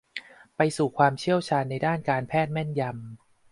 ไปสู่ความเชี่ยวชาญในด้านการแพทย์แม่นยำ